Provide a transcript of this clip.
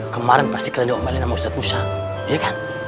kemarin pasti kalian diomelin sama ustadz musa iya kan